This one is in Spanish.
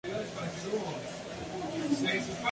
Iglesia románica de Sant Martí.